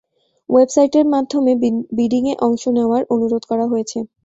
ওয়েবসাইটের মাধ্যমে বিডিংয়ে অংশ নেওয়ার অনুরোধ করা হয়েছে।